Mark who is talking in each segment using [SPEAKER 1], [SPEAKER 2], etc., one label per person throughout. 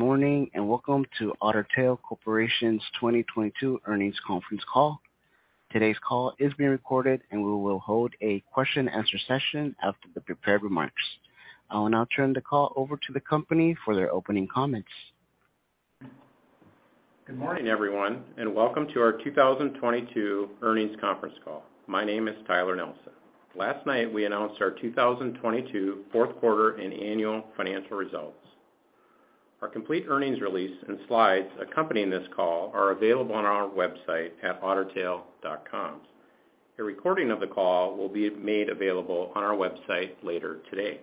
[SPEAKER 1] Good morning, welcome to Otter Tail Corporation's 2022 earnings conference call. Today's call is being recorded. We will hold a question and answer session after the prepared remarks. I will now turn the call over to the company for their opening comments.
[SPEAKER 2] Good morning, everyone, welcome to our 2022 earnings conference call. My name is Tyler Nelson. Last night, we announced our 2022 fourth quarter and annual financial results. Our complete earnings release and slides accompanying this call are available on our website at ottertail.com. A recording of the call will be made available on our website later today.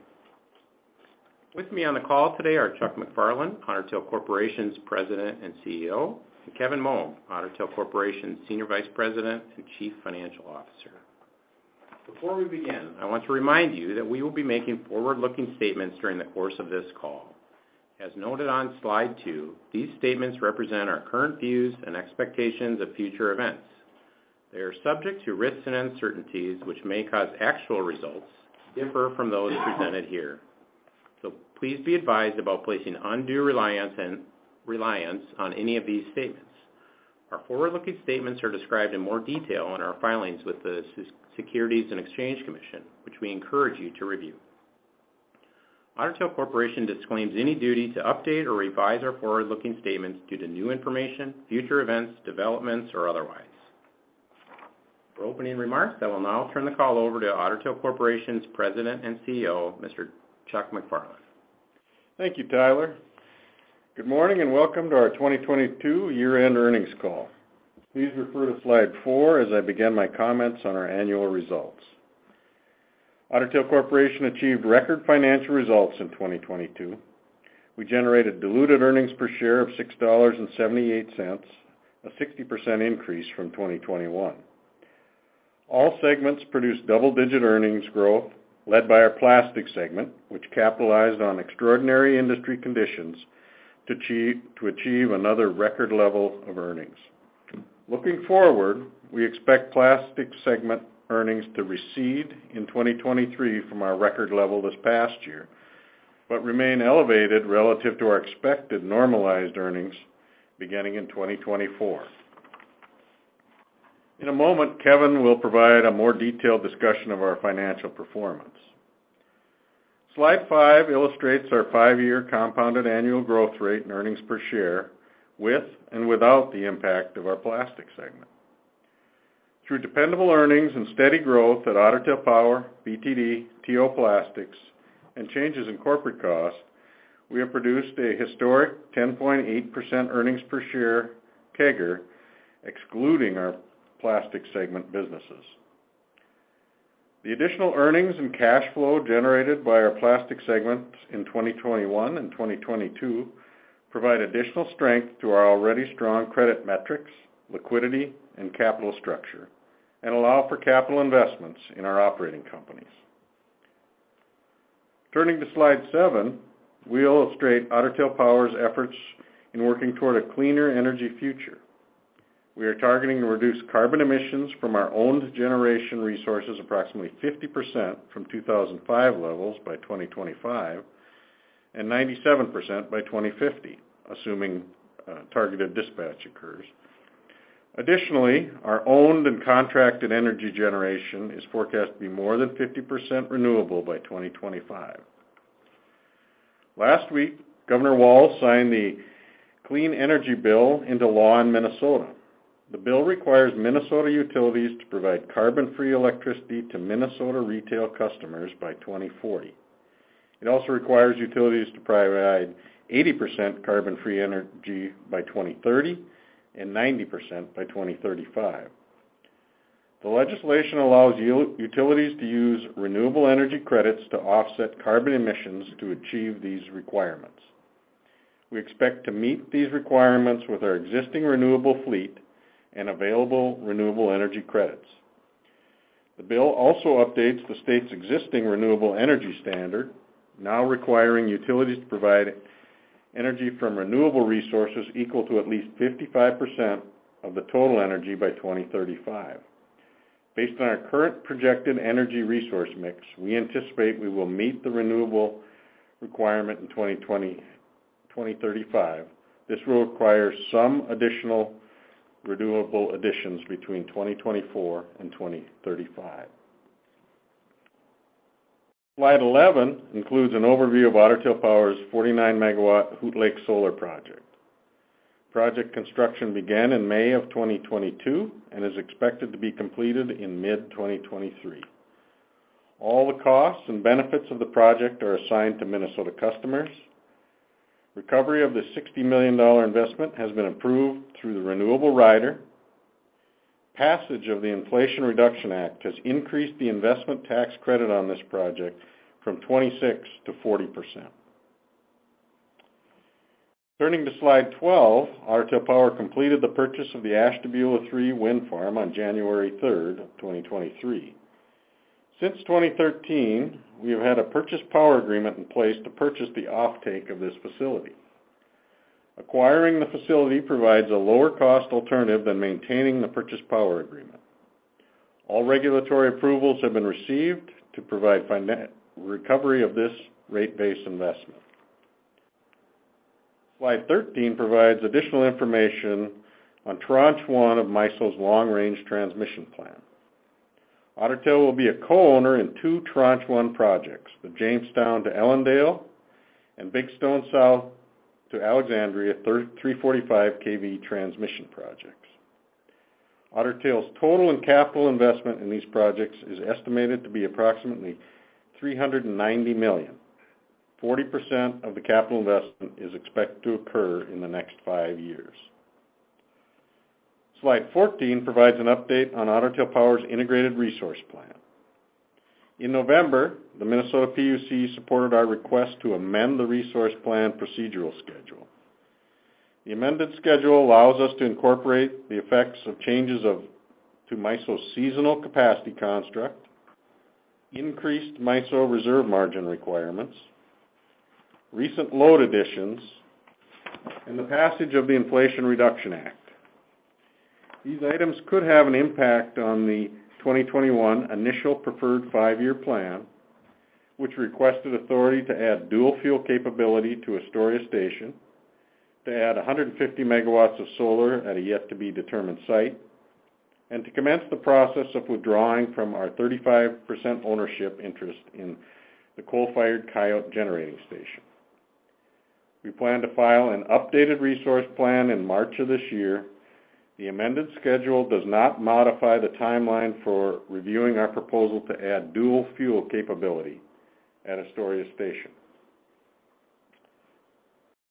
[SPEAKER 2] With me on the call today are Chuck MacFarlane, Otter Tail Corporation's President and CEO, and Kevin Moug, Otter Tail Corporation's Senior Vice President and Chief Financial Officer. Before we begin, I want to remind you that we will be making forward-looking statements during the course of this call. As noted on slide 2, these statements represent our current views and expectations of future events. They are subject to risks and uncertainties which may cause actual results to differ from those presented here. Please be advised about placing undue reliance on any of these statements. Our forward-looking statements are described in more detail in our filings with the Securities and Exchange Commission, which we encourage you to review. Otter Tail Corporation disclaims any duty to update or revise our forward-looking statements due to new information, future events, developments, or otherwise. For opening remarks, I will now turn the call over to Otter Tail Corporation's President and CEO, Mr. Chuck MacFarlane.
[SPEAKER 3] Thank you, Tyler. Good morning, welcome to our 2022 year-end earnings call. Please refer to slide 4 as I begin my comments on our annual results. Otter Tail Corporation achieved record financial results in 2022. We generated diluted earnings per share of $6.78, a 60% increase from 2021. All segments produced double-digit earnings growth, led by our plastics segment, which capitalized on extraordinary industry conditions to achieve another record level of earnings. Looking forward, we expect plastic segment earnings to recede in 2023 from our record level this past year, but remain elevated relative to our expected normalized earnings beginning in 2024. In a moment, Kevin will provide a more detailed discussion of our financial performance. Slide 5 illustrates our 5-year compounded annual growth rate and earnings per share with and without the impact of our plastic segment. Through dependable earnings and steady growth at Otter Tail Power, BTD, T.O. Plastics, and changes in corporate costs, we have produced a historic 10.8% earnings per share CAGR, excluding our plastic segment businesses. The additional earnings and cash flow generated by our plastic segments in 2021 and 2022 provide additional strength to our already strong credit metrics, liquidity, and capital structure, and allow for capital investments in our operating companies. Turning to slide 7, we illustrate Otter Tail Power's efforts in working toward a cleaner energy future. We are targeting to reduce carbon emissions from our owned generation resources approximately 50% from 2005 levels by 2025, and 97% by 2050, assuming targeted dispatch occurs. Additionally, our owned and contracted energy generation is forecast to be more than 50% renewable by 2025. Last week, Governor Walz signed the Clean Energy Bill into law in Minnesota. The bill requires Minnesota utilities to provide carbon-free electricity to Minnesota retail customers by 2040. It also requires utilities to provide 80% carbon-free energy by 2030 and 90% by 2035. The legislation allows utilities to use renewable energy credits to offset carbon emissions to achieve these requirements. We expect to meet these requirements with our existing renewable fleet and available renewable energy credits. The bill also updates the state's existing renewable energy standard, now requiring utilities to provide energy from renewable resources equal to at least 55% of the total energy by 2035. Based on our current projected energy resource mix, we anticipate we will meet the renewable requirement in 2020, 2035. This will require some additional renewable additions between 2024 and 2035. Slide 11 includes an overview of Otter Tail Power's 49 MW Hoot Lake Solar project. Project construction began in May of 2022 and is expected to be completed in mid-2023. All the costs and benefits of the project are assigned to Minnesota customers. Recovery of the $60 million investment has been approved through the Renewable Rider. Passage of the Inflation Reduction Act has increased the investment tax credit on this project from 26% to 40%. Turning to slide 12, Otter Tail Power completed the purchase of the Ashtabula 3 wind farm on January 3rd of 2023. Since 2013, we have had a power purchase agreement in place to purchase the offtake of this facility. Acquiring the facility provides a lower cost alternative than maintaining the power purchase agreement. All regulatory approvals have been received to provide recovery of this rate base investment. Slide 13 provides additional information on Tranche 1 of MISO's Long-Range Transmission Plan. Otter Tail will be a co-owner in 2 Tranche 1 projects, the Jamestown to Ellendale and Big Stone South to Alexandria 345 kV transmission projects. Otter Tail's total and capital investment in these projects is estimated to be approximately $390 million. 40% of the capital investment is expected to occur in the next 5 years. Slide 14 provides an update on Otter Tail Power's integrated resource plan. In November, the Minnesota PUC supported our request to amend the resource plan procedural schedule. The amended schedule allows us to incorporate the effects of changes to MISO's seasonal capacity construct, increased MISO reserve margin requirements, recent load additions, and the passage of the Inflation Reduction Act. These items could have an impact on the 2021 initial preferred five-year plan, which requested authority to add dual-fuel capability to Astoria Station, to add 150 megawatts of solar at a yet to be determined site, and to commence the process of withdrawing from our 35% ownership interest in the coal-fired Coyote Generating Station. We plan to file an updated resource plan in March of this year. The amended schedule does not modify the timeline for reviewing our proposal to add dual-fuel capability at Astoria Station.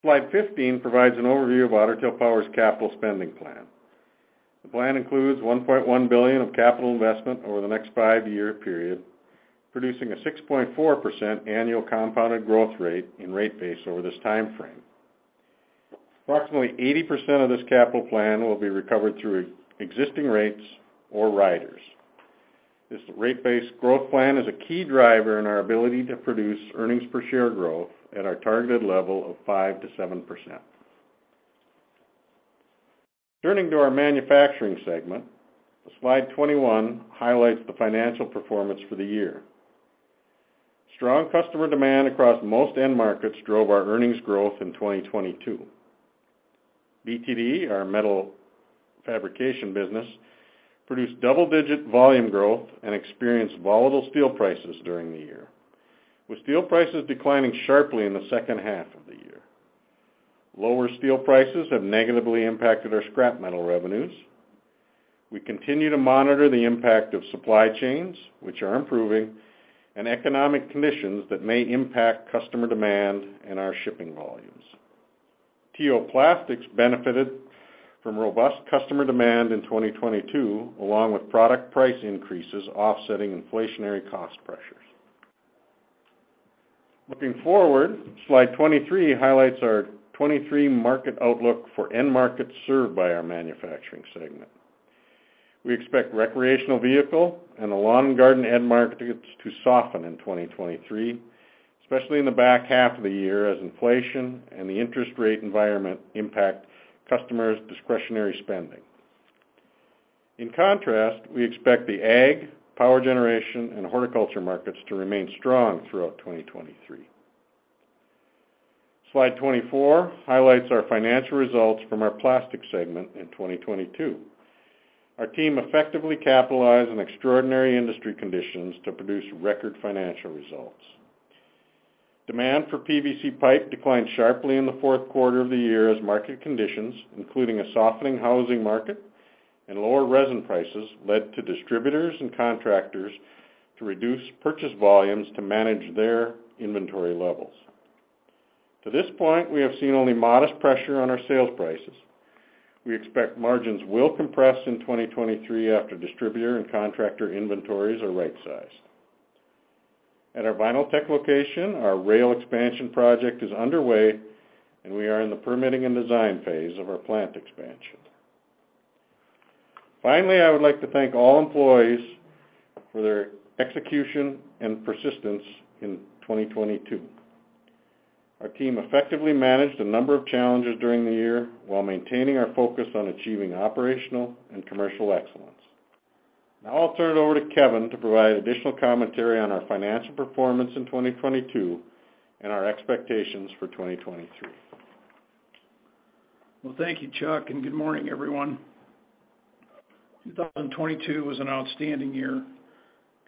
[SPEAKER 3] Slide 15 provides an overview of Otter Tail Power's capital spending plan. The plan includes $1.1 billion of capital investment over the next five-year period, producing a 6.4% annual compounded growth rate in rate base over this timeframe. Approximately 80% of this capital plan will be recovered through existing rates or riders. This rate-based growth plan is a key driver in our ability to produce EPS growth at our targeted level of 5%-7%. Turning to our manufacturing segment, slide 21 highlights the financial performance for the year. Strong customer demand across most end markets drove our earnings growth in 2022. BTD, our metal fabrication business, produced double-digit volume growth and experienced volatile steel prices during the year, with steel prices declining sharply in the second half of the year. Lower steel prices have negatively impacted our scrap metal revenues. We continue to monitor the impact of supply chains, which are improving, and economic conditions that may impact customer demand and our shipping volumes. T.O. Plastics benefited from robust customer demand in 2022, along with product price increases offsetting inflationary cost pressures. Looking forward, slide 23 highlights our 2023 market outlook for end markets served by our manufacturing segment. We expect recreational vehicle and the lawn garden end markets to soften in 2023, especially in the back half of the year as inflation and the interest rate environment impact customers' discretionary spending. In contrast, we expect the ag, power generation, and horticulture markets to remain strong throughout 2023. Slide 24 highlights our financial results from our plastics segment in 2022. Our team effectively capitalized on extraordinary industry conditions to produce record financial results. Demand for PVC pipe declined sharply in the fourth quarter of the year as market conditions, including a softening housing market and lower resin prices, led to distributors and contractors to reduce purchase volumes to manage their inventory levels. To this point, we have seen only modest pressure on our sales prices. We expect margins will compress in 2023 after distributor and contractor inventories are rightsized. At our Vinyltech Corporation location, our rail expansion project is underway, and we are in the permitting and design phase of our plant expansion. Finally, I would like to thank all employees for their execution and persistence in 2022. Our team effectively managed a number of challenges during the year while maintaining our focus on achieving operational and commercial excellence. Now I'll turn it over to Kevin to provide additional commentary on our financial performance in 2022 and our expectations for 2023.
[SPEAKER 4] Well, thank you, Chuck, and good morning, everyone. 2022 was an outstanding year.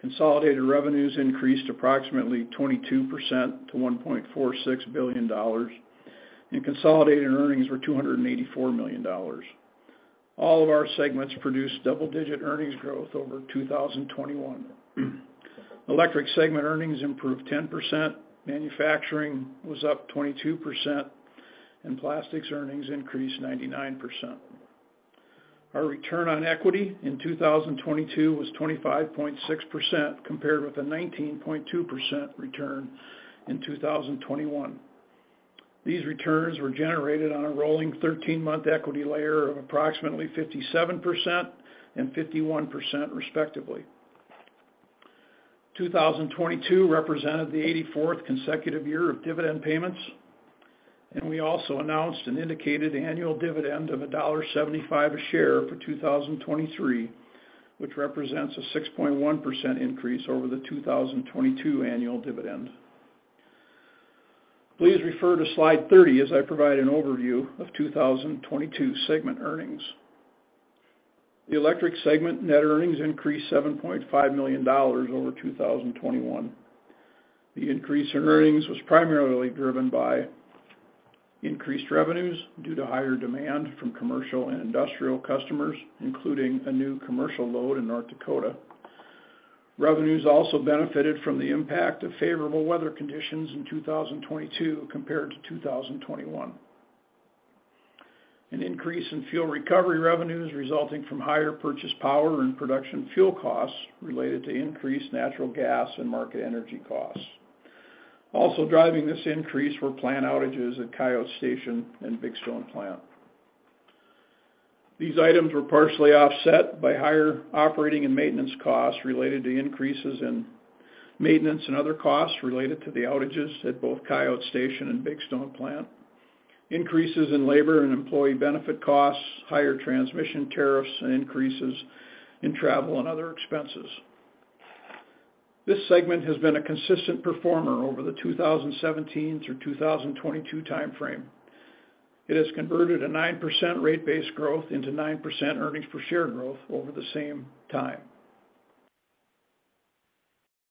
[SPEAKER 4] Consolidated revenues increased approximately 22% to $1.46 billion, and consolidated earnings were $284 million. All of our segments produced double-digit earnings growth over 2021. Electric segment earnings improved 10%, manufacturing was up 22%, and plastics earnings increased 99%. Our return on equity in 2022 was 25.6% compared with a 19.2% return in 2021. These returns were generated on a rolling 13-month equity layer of approximately 57% and 51% respectively. 2022 represented the 84th consecutive year of dividend payments, we also announced an indicated annual dividend of $1.75 a share for 2023, which represents a 6.1% increase over the 2022 annual dividend. Please refer to slide 30 as I provide an overview of 2022 segment earnings. The electric segment net earnings increased $7.5 million over 2021. The increase in earnings was primarily driven by increased revenues due to higher demand from commercial and industrial customers, including a new commercial load in North Dakota. Revenues also benefited from the impact of favorable weather conditions in 2022 compared to 2021. An increase in fuel recovery revenues resulting from higher purchase power and production fuel costs related to increased natural gas and market energy costs. Also driving this increase were plant outages at Coyote Station and Big Stone Plant. These items were partially offset by higher operating and maintenance costs related to increases in maintenance and other costs related to the outages at both Coyote Station and Big Stone Plant. Increases in labor and employee benefit costs, higher transmission tariffs, and increases in travel and other expenses. This segment has been a consistent performer over the 2017 through 2022 time frame. It has converted a 9% rate base growth into 9% earnings per share growth over the same time.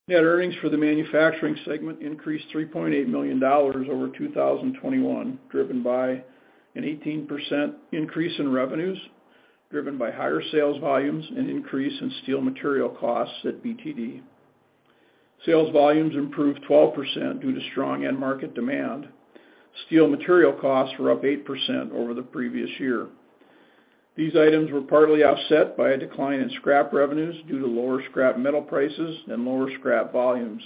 [SPEAKER 4] Net earnings for the manufacturing segment increased $3.8 million over 2021, driven by an 18% increase in revenues, driven by higher sales volumes and increase in steel material costs at BTD. Sales volumes improved 12% due to strong end market demand. Steel material costs were up 8% over the previous year. These items were partly offset by a decline in scrap revenues due to lower scrap metal prices and lower scrap volumes.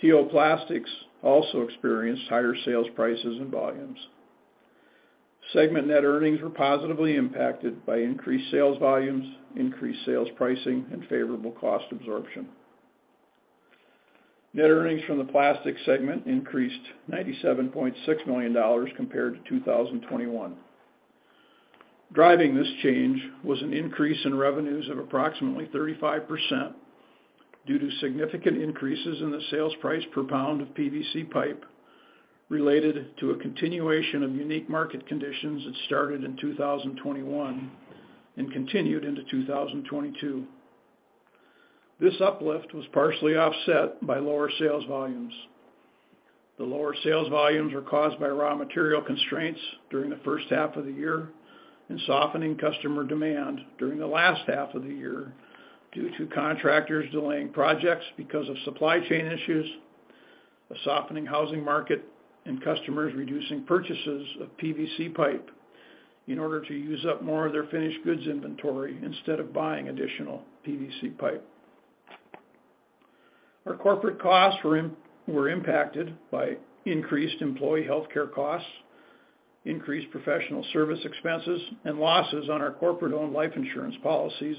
[SPEAKER 4] T.O. Plastics also experienced higher sales prices and volumes. Segment net earnings were positively impacted by increased sales volumes, increased sales pricing, and favorable cost absorption. Net earnings from the plastics segment increased $97.6 million compared to 2021. Driving this change was an increase in revenues of approximately 35% due to significant increases in the sales price per pound of PVC pipe related to a continuation of unique market conditions that started in 2021 and continued into 2022. This uplift was partially offset by lower sales volumes. The lower sales volumes were caused by raw material constraints during the first half of the year and softening customer demand during the last half of the year due to contractors delaying projects because of supply chain issues, a softening housing market, and customers reducing purchases of PVC pipe in order to use up more of their finished goods inventory instead of buying additional PVC pipe. Our corporate costs were impacted by increased employee healthcare costs, increased professional service expenses, and losses on our corporate-owned life insurance policies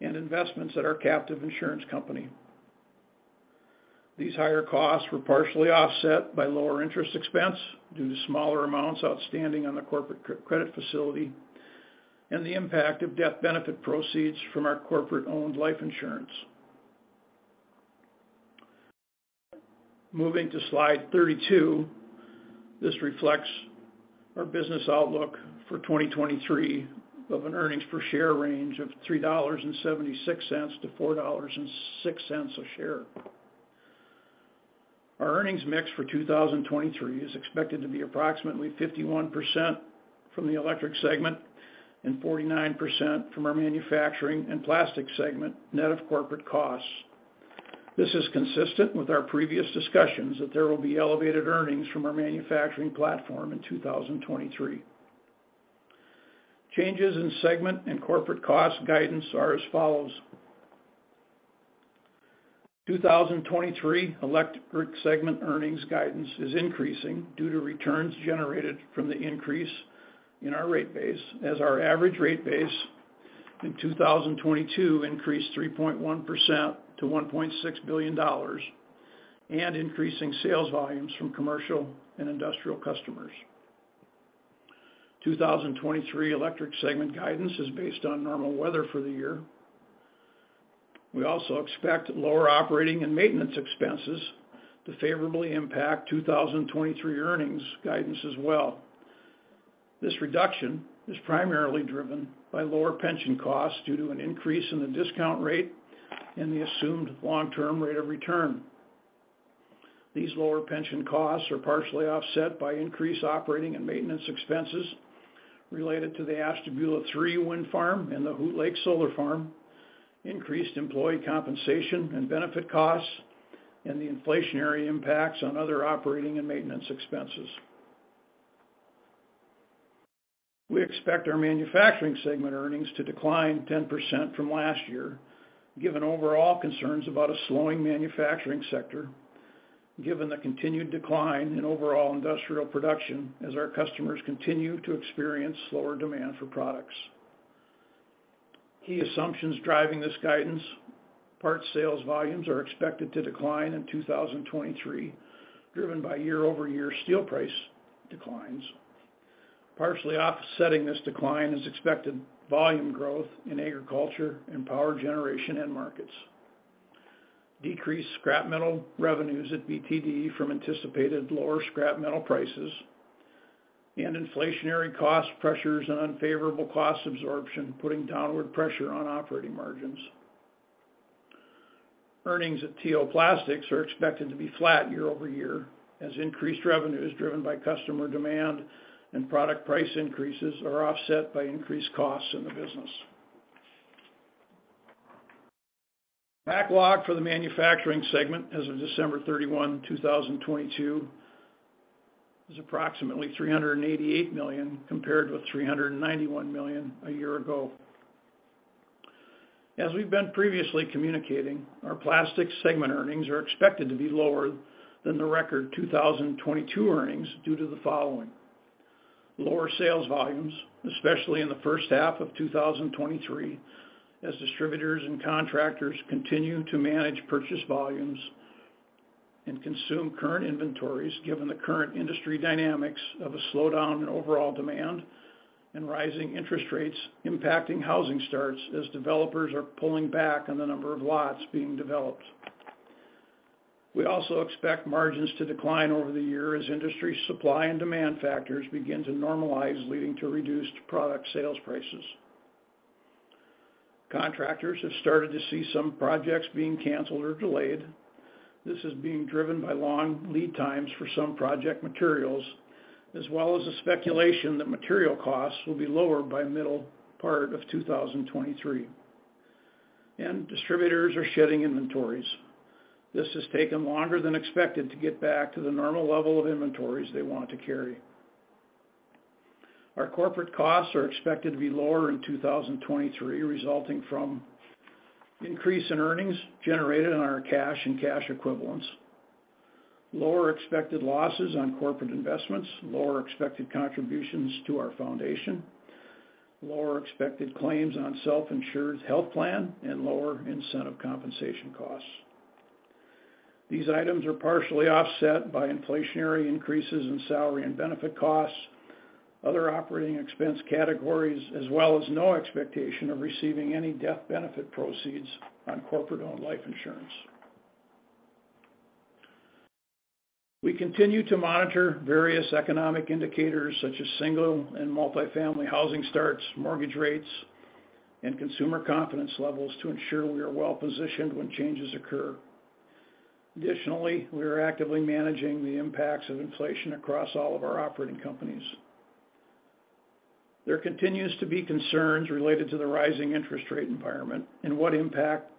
[SPEAKER 4] and investments at our captive insurance company. These higher costs were partially offset by lower interest expense due to smaller amounts outstanding on the corporate credit facility and the impact of death benefit proceeds from our corporate-owned life insurance. Moving to slide 32, this reflects our business outlook for 2023 of an earnings per share range of $3.76 to $4.06 a share. Our earnings mix for 2023 is expected to be approximately 51% from the electric segment and 49% from our manufacturing and plastic segment, net of corporate costs. This is consistent with our previous discussions that there will be elevated earnings from our manufacturing platform in 2023. Changes in segment and corporate cost guidance are as follows. 2023 electric segment earnings guidance is increasing due to returns generated from the increase in our rate base as our average rate base in 2022 increased 3.1% to $1.6 billion and increasing sales volumes from commercial and industrial customers. 2023 electric segment guidance is based on normal weather for the year. We also expect lower operating and maintenance expenses to favorably impact 2023 earnings guidance as well. This reduction is primarily driven by lower pension costs due to an increase in the discount rate and the assumed long-term rate of return. These lower pension costs are partially offset by increased operating and maintenance expenses related to the Ashtabula Three wind farm and the Hoot Lake solar farm, increased employee compensation and benefit costs, and the inflationary impacts on other operating and maintenance expenses. We expect our manufacturing segment earnings to decline 10% from last year, given overall concerns about a slowing manufacturing sector. Given the continued decline in overall industrial production as our customers continue to experience slower demand for products. Key assumptions driving this guidance. Parts sales volumes are expected to decline in 2023, driven by year-over-year steel price declines. Partially offsetting this decline is expected volume growth in agriculture and power generation end markets. Decreased scrap metal revenues at BTD from anticipated lower scrap metal prices and inflationary cost pressures and unfavorable cost absorption, putting downward pressure on operating margins. Earnings at T.O. Plastics are expected to be flat year-over-year as increased revenues driven by customer demand and product price increases are offset by increased costs in the business. Backlog for the manufacturing segment as of December 31, 2022 is approximately $388 million compared with $391 million a year ago. As we've been previously communicating, our plastics segment earnings are expected to be lower than the record 2022 earnings due to the following. Lower sales volumes, especially in the first half of 2023, as distributors and contractors continue to manage purchase volumes and consume current inventories, given the current industry dynamics of a slowdown in overall demand and rising interest rates impacting housing starts as developers are pulling back on the number of lots being developed. We also expect margins to decline over the year as industry supply and demand factors begin to normalize, leading to reduced product sales prices. Contractors have started to see some projects being canceled or delayed. This is being driven by long lead times for some project materials as well as the speculation that material costs will be lower by middle part of 2023. Distributors are shedding inventories. This has taken longer than expected to get back to the normal level of inventories they want to carry. Our corporate costs are expected to be lower in 2023, resulting from increase in earnings generated in our cash and cash equivalents, lower expected losses on corporate investments, lower expected contributions to our foundation, lower expected claims on self-insured health plan, and lower incentive compensation costs. These items are partially offset by inflationary increases in salary and benefit costs, other operating expense categories, as well as no expectation of receiving any death benefit proceeds on corporate-owned life insurance. We continue to monitor various economic indicators, such as single and multi-family housing starts, mortgage rates, and consumer confidence levels to ensure we are well-positioned when changes occur. Additionally, we are actively managing the impacts of inflation across all of our operating companies. There continues to be concerns related to the rising interest rate environment and what impact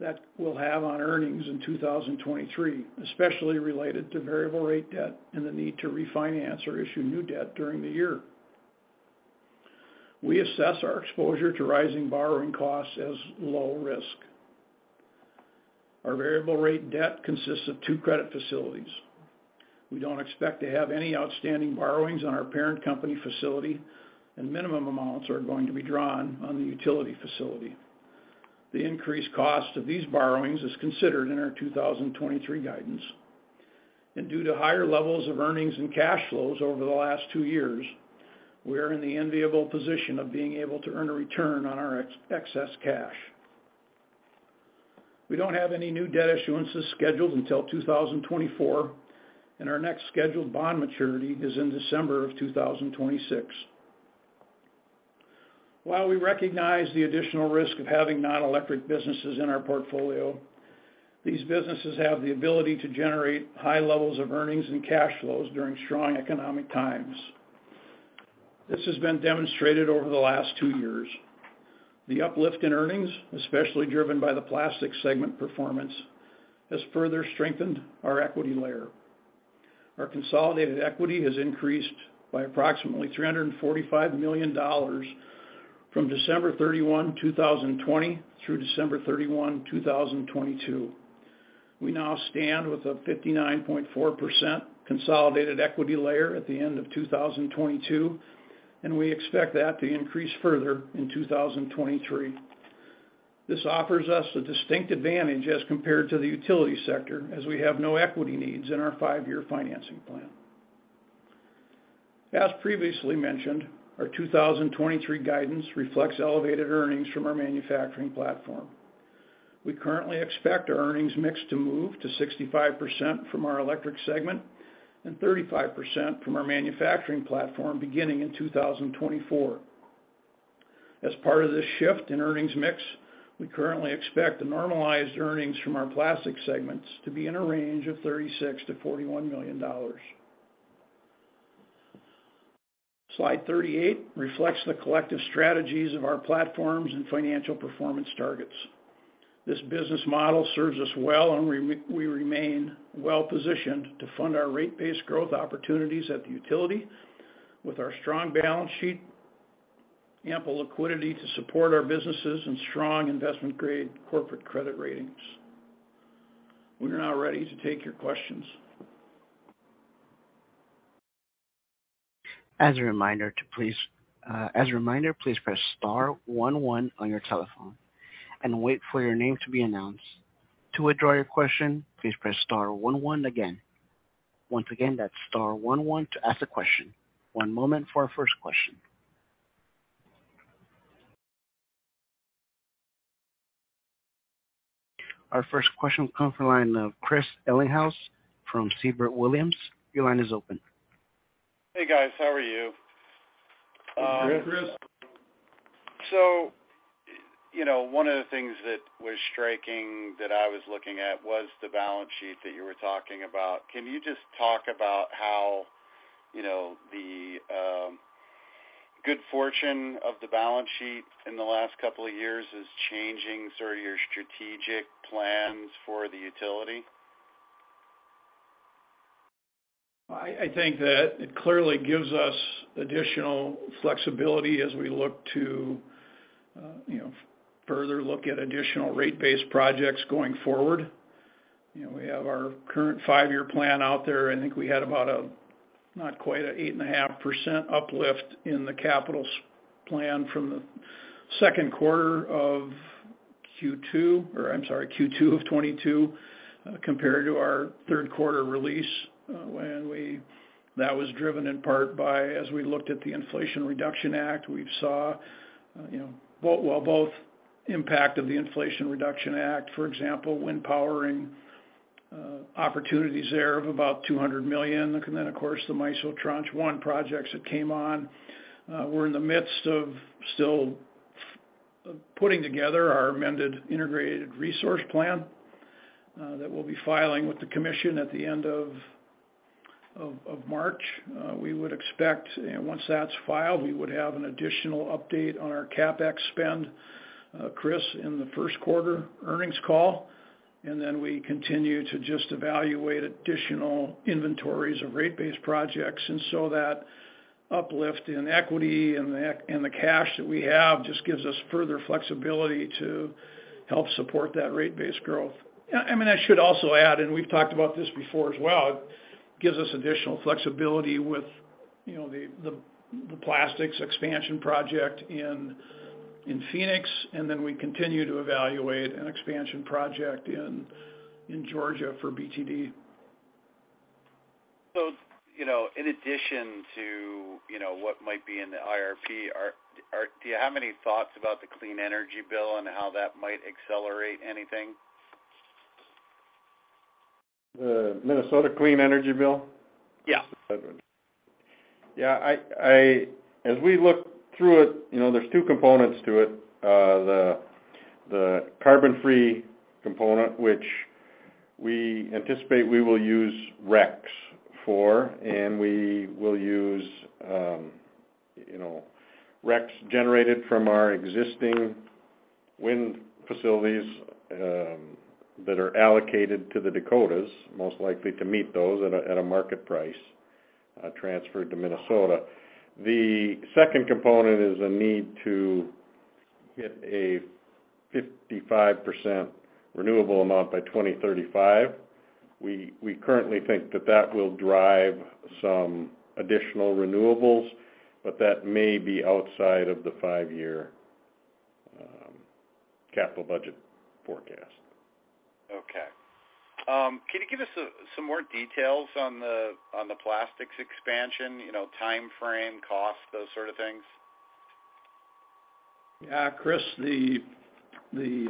[SPEAKER 4] that will have on earnings in 2023, especially related to variable rate debt and the need to refinance or issue new debt during the year. We assess our exposure to rising borrowing costs as low risk. Our variable rate debt consists of two credit facilities. We don't expect to have any outstanding borrowings on our parent company facility and minimum amounts are going to be drawn on the utility facility. The increased cost of these borrowings is considered in our 2023 guidance. Due to higher levels of earnings and cash flows over the last two years, we are in the enviable position of being able to earn a return on our excess cash. We don't have any new debt issuances scheduled until 2024, and our next scheduled bond maturity is in December of 2026. While we recognize the additional risk of having non-electric businesses in our portfolio, these businesses have the ability to generate high levels of earnings and cash flows during strong economic times. This has been demonstrated over the last two years. The uplift in earnings, especially driven by the plastic segment performance, has further strengthened our equity layer. Our consolidated equity has increased by approximately $345 million from December 31, 2020 through December 31, 2022. We now stand with a 59.4% consolidated equity layer at the end of 2022, and we expect that to increase further in 2023. This offers us a distinct advantage as compared to the utility sector as we have no equity needs in our five-year financing plan. As previously mentioned, our 2023 guidance reflects elevated earnings from our manufacturing platform. We currently expect our earnings mix to move to 65% from our electric segment and 35% from our manufacturing platform beginning in 2024. As part of this shift in earnings mix, we currently expect the normalized earnings from our plastic segments to be in a range of $36 million-$41 million. Slide 38 reflects the collective strategies of our platforms and financial performance targets. This business model serves us well, we remain well-positioned to fund our rate-based growth opportunities at the utility with our strong balance sheet. Ample liquidity to support our businesses and strong investment-grade corporate credit ratings. We are now ready to take your questions.
[SPEAKER 1] As a reminder, please press star one one on your telephone and wait for your name to be announced. To withdraw your question, please press star one one again. Once again, that's star one one to ask a question. One moment for our first question. Our first question will come from the line of Chris Ellinghaus from Siebert Williams. Your line is open.
[SPEAKER 5] Hey, guys, how are you?
[SPEAKER 4] Hey, Chris.
[SPEAKER 5] You know, one of the things that was striking that I was looking at was the balance sheet that you were talking about. Can you just talk about how, you know, the good fortune of the balance sheet in the last couple of years is changing sort of your strategic plans for the utility?
[SPEAKER 4] I think that it clearly gives us additional flexibility as we look to, you know, further look at additional rate-based projects going forward. You know, we have our current five-year plan out there. I think we had 8.5% uplift in the capital plan from Q2 of 2022, compared to our third quarter release. That was driven in part by, as we looked at the Inflation Reduction Act, we saw, you know, both impact of the Inflation Reduction Act, for example, wind powering opportunities there of about $200 million. Of course, the MISO Tranche 1 projects that came on. We're in the midst of still putting together our amended integrated resource plan that we'll be filing with the commission at the end of March. We would expect, once that's filed, we would have an additional update on our CapEx spend, Chris, in the first quarter earnings call, and then we continue to just evaluate additional inventories of rate-based projects. That uplift in equity and the cash that we have just gives us further flexibility to help support that rate-based growth. I mean, I should also add, and we've talked about this before as well, it gives us additional flexibility with, you know, the plastics expansion project in Phoenix, and then we continue to evaluate an expansion project in Georgia for BTD.
[SPEAKER 5] You know, in addition to, you know, what might be in the IRP, do you have any thoughts about the Clean Energy Bill and how that might accelerate anything?
[SPEAKER 4] The Minnesota Clean Energy Bill?
[SPEAKER 5] Yeah.
[SPEAKER 4] As we look through it, you know, there's two components to it. The carbon-free component, which we anticipate we will use RECs for, and we will use, you know, RECs generated from our existing wind facilities, that are allocated to the Dakotas, most likely to meet those at a market price, transferred to Minnesota. The second component is a need to hit a 55% renewable amount by 2035. We currently think that that will drive some additional renewables, but that may be outside of the 5-year capital budget forecast.
[SPEAKER 5] Okay. Can you give us some more details on the, on the plastics expansion, you know, timeframe, cost, those sort of things?
[SPEAKER 4] Yeah, Chris. The, the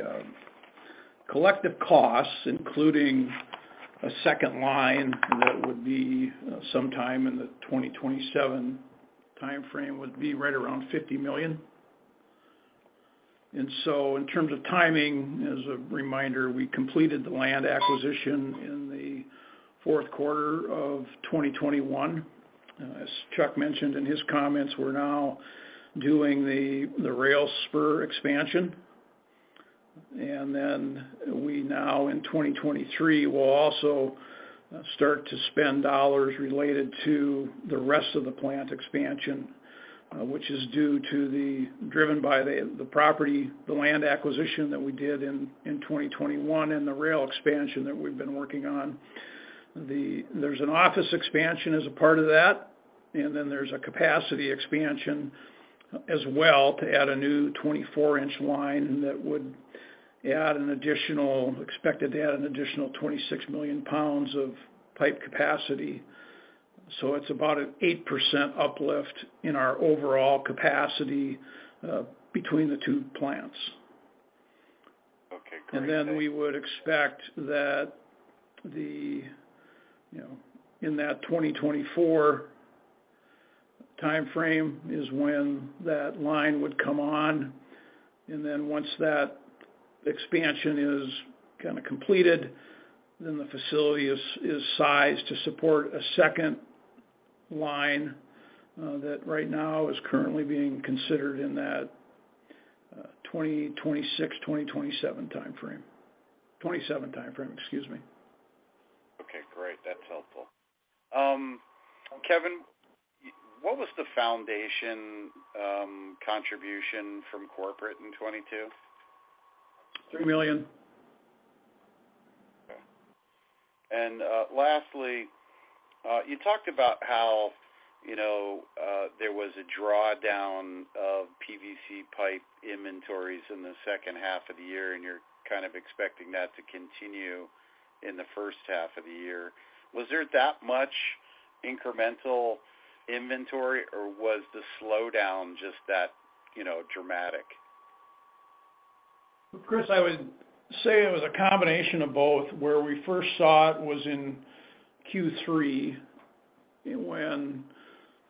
[SPEAKER 4] collective costs, including a second line that would be sometime in the 2027 timeframe, would be right around $50 million. In terms of timing, as a reminder, we completed the land acquisition in the fourth quarter of 2021. As Chuck mentioned in his comments, we're now doing the rail spur expansion. We now, in 2023, will also start to spend dollars related to the rest of the plant expansion, which is driven by the property, the land acquisition that we did in 2021 and the rail expansion that we've been working on. There's an office expansion as a part of that, and then there's a capacity expansion as well to add a new 24-inch line that would expected to add an additional 26 million pounds of pipe capacity. It's about an 8% uplift in our overall capacity between the two plants.
[SPEAKER 5] Okay, great.
[SPEAKER 6] We would expect that the, you know, in that 2024 timeframe is when that line would come on. Once that expansion is kinda completed, then the facility is sized to support a second line, that right now is currently being considered in that 2026, 2027 timeframe. 2027 timeframe, excuse me.
[SPEAKER 3] Great. That's helpful. Kevin, what was the foundation, contribution from corporate in 2022?
[SPEAKER 4] $3 million.
[SPEAKER 6] Okay. Lastly, you talked about how, you know, there was a drawdown of PVC pipe inventories in the 2nd half of the year, and you're kind of expecting that to continue in the 1st half of the year. Was there that much incremental inventory, or was the slowdown just that, you know, dramatic?
[SPEAKER 4] Chris, I would say it was a combination of both. Where we first saw it was in Q3 when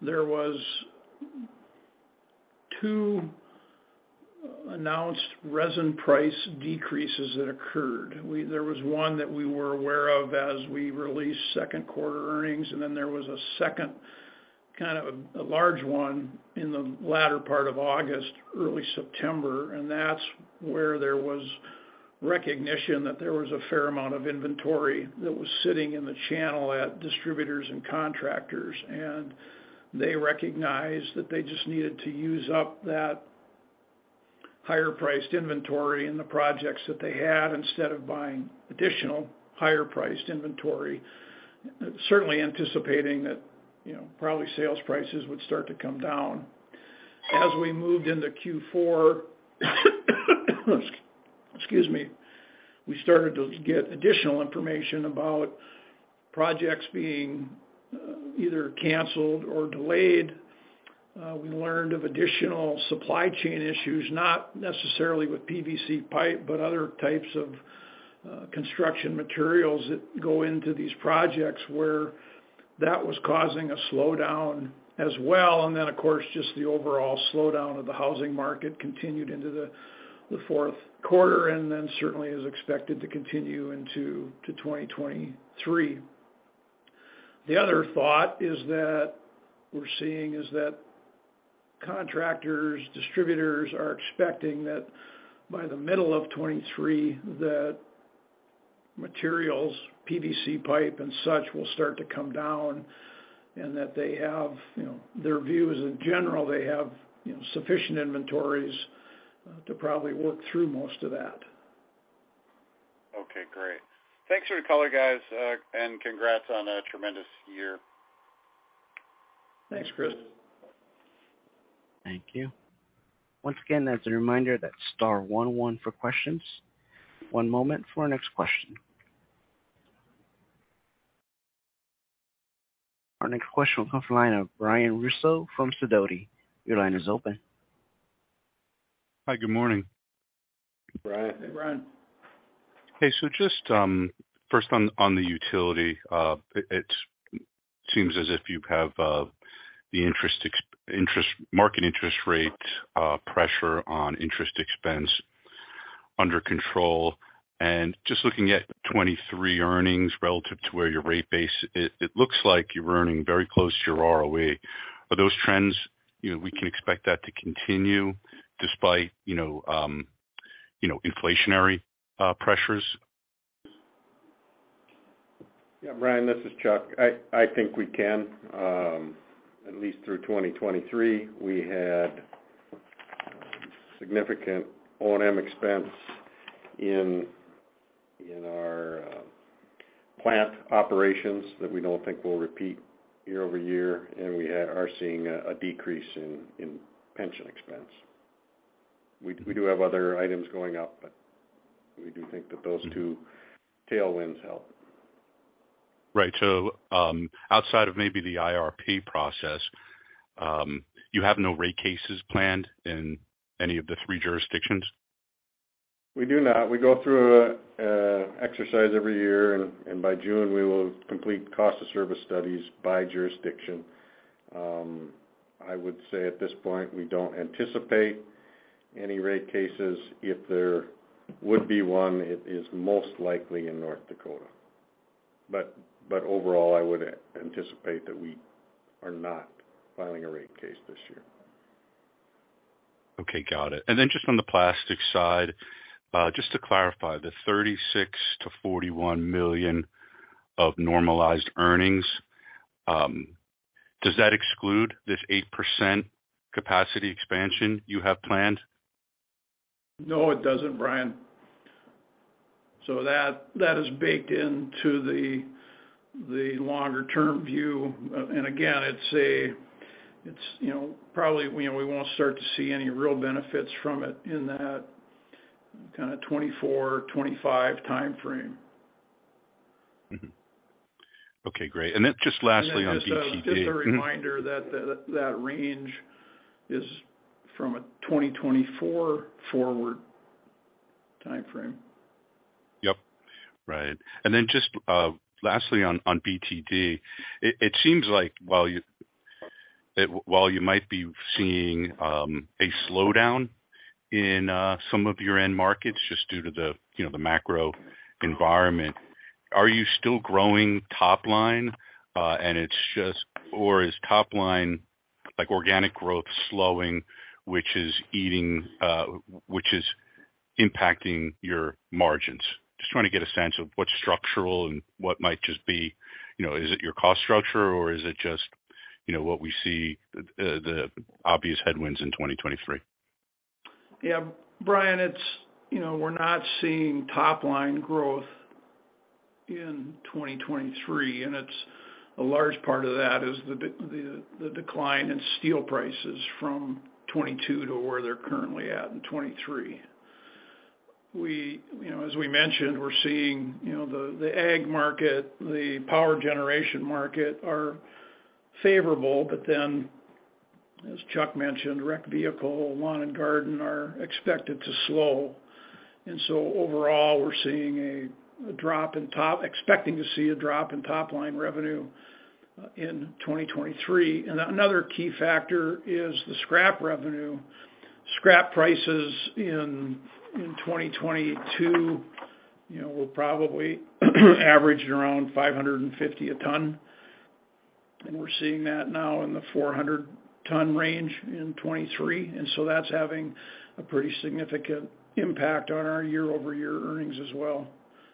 [SPEAKER 4] there was two announced resin price decreases that occurred. There was one that we were aware of as we released second quarter earnings, and then there was a second, kind of a large one in the latter part of August, early September. That's where there was recognition that there was a fair amount of inventory that was sitting in the channel at distributors and contractors, and they recognized that they just needed to use up that higher-priced inventory in the projects that they had instead of buying additional higher-priced inventory. Certainly anticipating that, you know, probably sales prices would start to come down. As we moved into Q4, excuse me, we started to get additional information about projects being either canceled or delayed. We learned of additional supply chain issues, not necessarily with PVC pipe, but other types of construction materials that go into these projects where that was causing a slowdown as well. Of course, just the overall slowdown of the housing market continued into the fourth quarter, certainly is expected to continue into 2023. The other thought we're seeing is that contractors, distributors are expecting that by the middle of 23, that materials, PVC pipe and such, will start to come down and that they have, you know, their views in general, they have, you know, sufficient inventories to probably work through most of that.
[SPEAKER 6] Okay, great. Thanks for the color guys. Congrats on a tremendous year.
[SPEAKER 4] Thanks, Chris.
[SPEAKER 1] Thank you. Once again, as a reminder, that's star one one for questions. One moment for our next question. Our next question will come from the line of Brian Russo from Sidoti. Your line is open.
[SPEAKER 7] Hi. Good morning.
[SPEAKER 4] Brian.
[SPEAKER 3] Hey, Brian.
[SPEAKER 7] Just first on the utility. It seems as if you have the market interest rate pressure on interest expense under control. Just looking at 23 earnings relative to where your rate base, it looks like you're earning very close to your ROE. Are those trends, you know, we can expect that to continue despite, you know, inflationary pressures?
[SPEAKER 3] Yeah, Brian, this is Chuck. I think we can, at least through 2023. We had significant O&M expense in our plant operations that we don't think will repeat year-over-year. We are seeing a decrease in pension expense. We do have other items going up. We do think that those two tailwinds help.
[SPEAKER 7] Right. outside of maybe the IRP process, you have no rate cases planned in any of the 3 jurisdictions?
[SPEAKER 3] We do not. We go through a exercise every year, and by June we will complete cost of service studies by jurisdiction. I would say at this point, we don't anticipate any rate cases. If there would be one, it is most likely in North Dakota. Overall, I would anticipate that we are not filing a rate case this year.
[SPEAKER 7] Okay, got it. Then just on the plastic side, just to clarify, the $36 million-$41 million of normalized earnings, does that exclude this 8% capacity expansion you have planned?
[SPEAKER 4] No, it doesn't, Brian. That, that is baked into the longer-term view. Again, it's, you know, probably, you know, we won't start to see any real benefits from it in that kind of 2024, 2025 timeframe.
[SPEAKER 7] Mm-hmm. Okay, great. Then just lastly on BTD-
[SPEAKER 4] As a, just a reminder that range is from a 2024 forward timeframe.
[SPEAKER 7] Yep. Right. Then just lastly on BTD, it seems like that while you might be seeing a slowdown in some of your end markets just due to the, you know, the macro environment, are you still growing top line, or is top lineLike organic growth slowing, which is eating which is impacting your margins. Just trying to get a sense of what's structural and what might just be, you know, is it your cost structure or is it just, you know, what we see, the obvious headwinds in 2023?
[SPEAKER 4] Yeah, Brian, it's, you know, we're not seeing top line growth in 2023. It's a large part of that is the decline in steel prices from 2022 to where they're currently at in 2023. We, you know, as we mentioned, we're seeing, you know, the ag market, the power generation market are favorable. As Chuck mentioned, rec vehicle, lawn and garden are expected to slow. Overall, we're seeing a drop in expecting to see a drop in top line revenue in 2023. Another key factor is the scrap revenue. Scrap prices in 2022, you know, were probably averaging around $550 a ton, and we're seeing that now in the $400 ton range in 2023. That's having a pretty significant impact on our year-over-year earnings as well.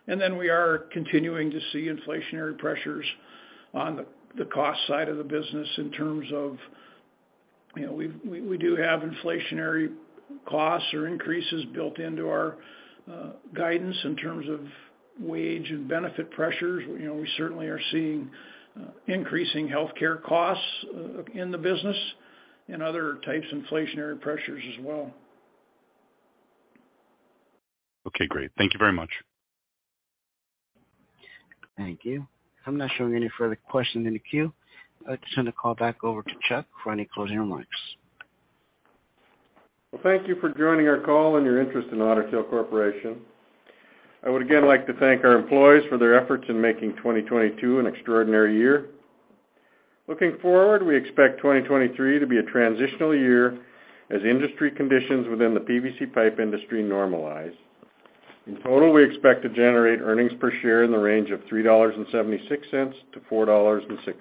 [SPEAKER 4] We are continuing to see inflationary pressures on the cost side of the business in terms of, you know, we do have inflationary costs or increases built into our guidance in terms of wage and benefit pressures. You know, we certainly are seeing increasing healthcare costs in the business and other types of inflationary pressures as well.
[SPEAKER 7] Okay, great. Thank you very much.
[SPEAKER 1] Thank you. I'm not showing any further questions in the queue. I'd like to send the call back over to Chuck for any closing remarks.
[SPEAKER 3] Well, thank you for joining our call and your interest in Otter Tail Corporation. I would again like to thank our employees for their efforts in making 2022 an extraordinary year. Looking forward, we expect 2023 to be a transitional year as industry conditions within the PVC pipe industry normalize. In total, we expect to generate earnings per share in the range of $3.76-$4.06.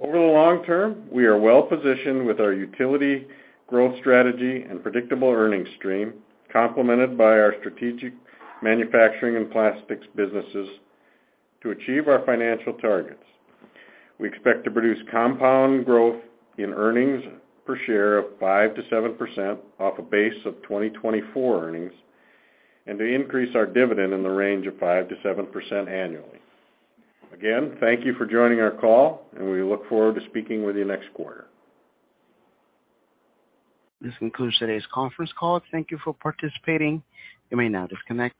[SPEAKER 3] Over the long term, we are well-positioned with our utility growth strategy and predictable earnings stream, complemented by our strategic manufacturing and plastics businesses to achieve our financial targets. We expect to produce compound growth in earnings per share of 5%-7% off a base of 2024 earnings, and to increase our dividend in the range of 5%-7% annually. Thank you for joining our call and we look forward to speaking with you next quarter.
[SPEAKER 1] This concludes today's conference call. Thank you for participating. You may now disconnect.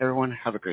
[SPEAKER 1] Everyone, have a great day.